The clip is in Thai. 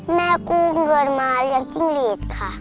กู้เงินมาเลี้ยงจิ้งหลีดค่ะ